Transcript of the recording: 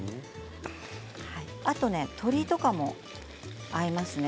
あと鶏とか合いますね。